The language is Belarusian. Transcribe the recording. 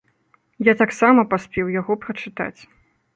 Я таксама паспеў яго прачытаць.